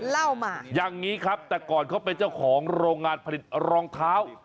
เล่ามาอย่างนี้ครับแต่ก่อนเขาเป็นเจ้าของโรงงานผลิตรองเท้า